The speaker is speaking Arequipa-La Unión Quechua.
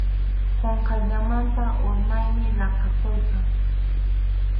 Qunqayllamanta urmaymi laqʼakuyqa.